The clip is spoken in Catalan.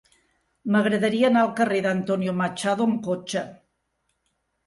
M'agradaria anar al carrer d'Antonio Machado amb cotxe.